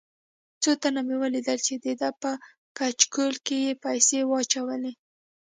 څو تنه مې ولیدل چې دده په کچکول کې یې پیسې واچولې.